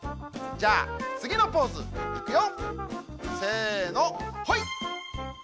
じゃあつぎのポーズいくよ。